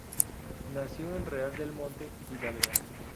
Nació en Real del Monte, Hidalgo.